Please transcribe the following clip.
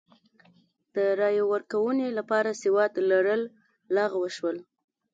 د رایې ورکونې لپاره سواد لرل لغوه شول.